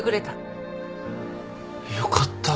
よかった。